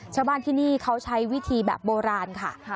ชาวบ้านที่นี่เขาใช้วิธีแบบโบราณค่ะ